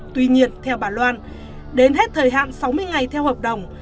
tuy nhiên theo bà loan đến hết thời hạn sáu mươi ngày theo hợp đồng